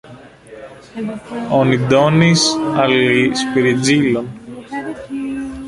Oni donis al li spirigilon.